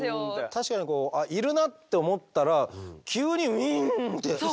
確かにいるなって思ったら急にウィーンって。